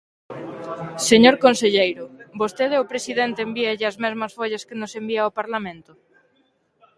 Señor conselleiro, ¿vostede ao presidente envíalle as mesmas follas que nos envía ao Parlamento?